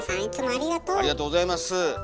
ありがとうございます。